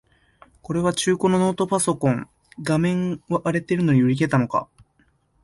この中古のノートパソコン、画面割れてるのに売り切れたのか